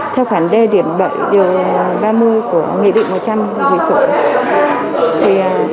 theo khoảng đê điểm ba mươi của nghị định một trăm linh